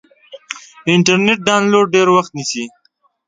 انټرنیټ ډاونلوډ ډېر وخت نیسي.